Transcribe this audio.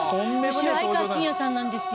「後ろ愛川欽也さんなんですよ」